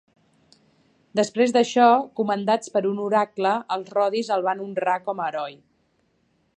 Després d'això, comandats per un oracle, els rodis el van honrar com a heroi.